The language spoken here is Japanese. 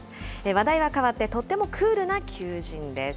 話題は変わって、とってもクールな求人です。